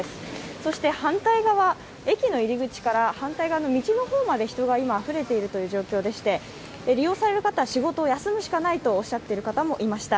そして反対側、駅の入り口から反対側の道の方まで人が今あふれている状態で利用される方は仕事を休むしかないと言っている方もいました。